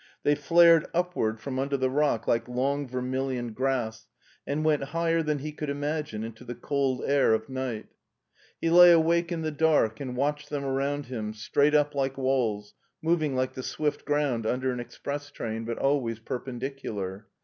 They flared upward from $69 SCHWARZWALD 169 tinder the rock like long vermilion grass and went higher than he could imagine into the cold air of night He lay awake in the dark and watched them around him, straight up like walls^ moving like the swift ground under an express train, but always perpendicu lar.